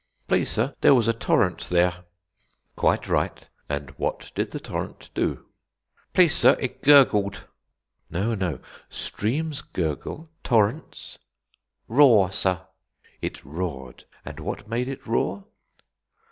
"Please, sir, there was a torrent there." "Quite right; and what did the torrent do?" "Please, sir, it gurgled." "No; no. Streams gurgle, torrents ?" "Roar, sir." "It roared. And what made it roar?"